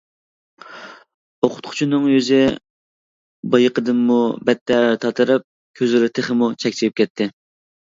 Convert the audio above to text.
ئوقۇتقۇچىنىڭ يۈزى بايىقىدىنمۇ بەتتەر تاتىرىپ، كۆزلىرى تېخىمۇ چەكچىيىپ كەتتى.